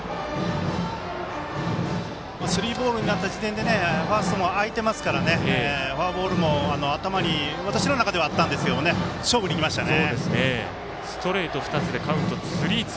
スリーボールになった時点でファーストも空いていますからフォアボールも頭に私の中ではあったんですけど勝負にいきましたね。